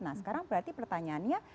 nah sekarang berarti pertanyaannya